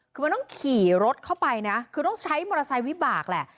คือมันต้องขี่รถเข้าไปนะคือต้องใช้มอเตอร์ไซค์วิบากแหละ